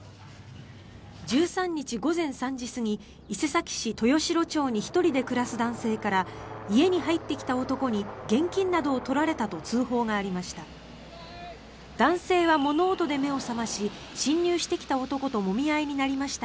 １３日午前３時過ぎ伊勢崎市豊城町に１人で暮らす男性から家に入ってきた男に現金などを取られたと通報がありました。